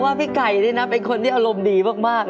พี่ไก่นี่นะเป็นคนที่อารมณ์ดีมาก